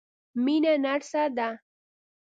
مينه نرسه ده.